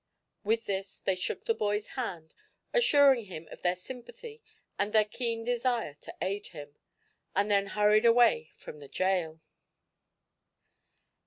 With this they shook the boy's hand, assuring him of their sympathy and their keen desire to aid him, and then hurried away from the jail.